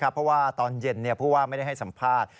เพราะว่าตอนเย็นผู้ว่าไม่ได้ให้สัมภาษณ์